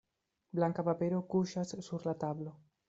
Blanka papero kuŝas sur la tablo.